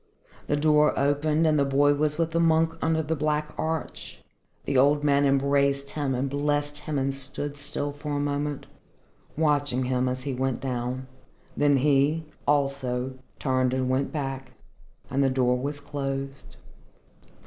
The door opened and the boy was with the monk under the black arch. The old man embraced him and blessed him and stood still for a moment watching him as he went down. Then he, also, turned and went back, and the door was closed.